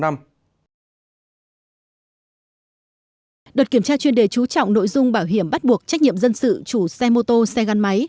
đợt kiểm tra chuyên đề trú trọng nội dung bảo hiểm bắt buộc trách nhiệm dân sự chủ xe mô tô xe gắn máy